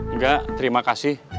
enggak terima kasih